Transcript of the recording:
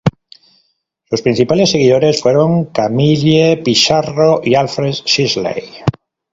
Sus principales seguidores fueron Camille Pissarro y Alfred Sisley.